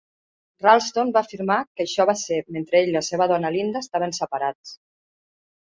Ralston va afirmar que això va ser mentre ell i la seva dona Linda estaven separats.